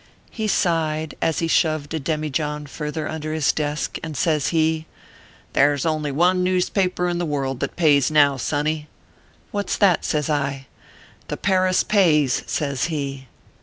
He sighed, as he shoved a demijohn further under his desk, and says he :" There s only one newspaper in the world that pays now, sonny :" What s that ?" says I. " The Paris Pays," says he.